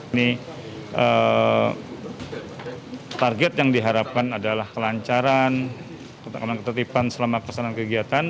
ini target yang diharapkan adalah kelancaran ketertiban selama pesanan kegiatan